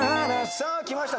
さあきました。